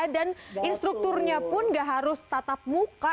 dan instrukturnya pun gak harus tatap muka